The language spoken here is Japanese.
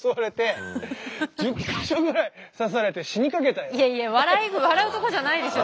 この前さいやいや笑うとこじゃないでしょ